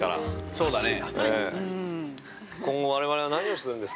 ◆そうだね。